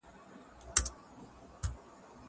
هغه وويل چي امادګي مهم دی!